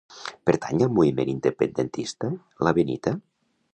Pertany al moviment independentista la Benita?